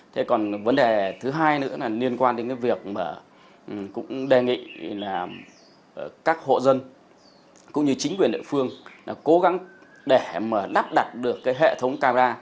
thế còn vấn đề thứ hai nữa là liên quan đến cái việc mà cũng đề nghị là các hộ dân cũng như chính quyền địa phương là cố gắng để mà đắp đặt được cái hệ thống camera